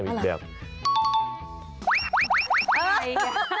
เอาไง